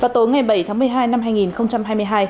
tối ngày bảy tháng một mươi hai năm hai nghìn hai mươi hai